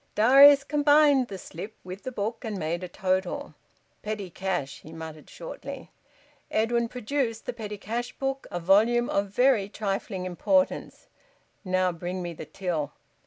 Darius combined the slip with the book and made a total. "Petty cash," he muttered shortly. Edwin produced the petty cash book, a volume of very trifling importance. "Now bring me the till."